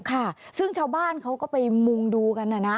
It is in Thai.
ค่ะซึ่งชาวบ้านเขาก็ไปมุงดูกันนะนะ